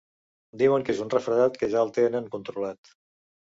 Diuen que és un refredat que ja el tenen controlat.